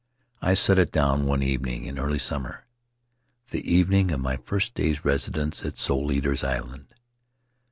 I set it down one evening in early summer, the evening of my first day's residence at Soul Eaters' Island.